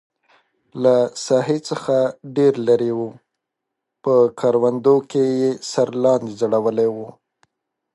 له ساحې څخه ډېر لرې و، په کروندو کې یې سر لاندې ځړولی و.